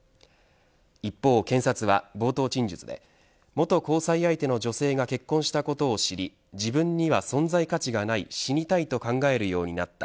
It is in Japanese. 一方検察は冒頭陳述で元交際相手の女性が結婚したことを知り自分には存在価値がない死にたいと考えるようになった。